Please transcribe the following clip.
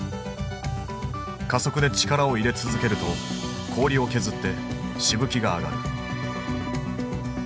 加速で力を入れ続けると氷を削ってしぶきが上がる。